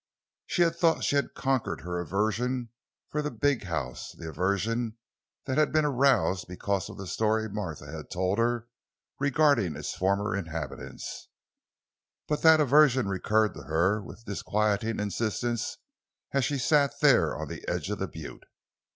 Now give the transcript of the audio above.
She had thought she had conquered her aversion for the big house—the aversion that had been aroused because of the story Martha had told her regarding its former inhabitants, but that aversion recurred to her with disquieting insistence as she sat there on the edge of the butte.